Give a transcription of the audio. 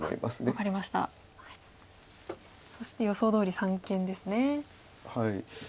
そして予想どおり三間ですね。